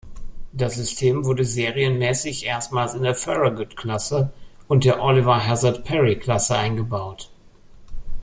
Das System wurde serienmäßig erstmals in der Farragut-Klasse und der Oliver-Hazard-Perry-Klasse eingebaut.